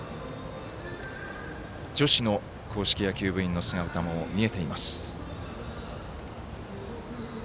女子の硬式野球部員の姿も見えています。